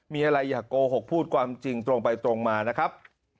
มีอะไรอยากโกหกพูดความจริงตรงไปตรงมานะครับ